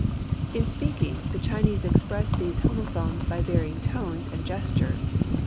In speaking, the Chinese express these homophones by varying tones and gestures.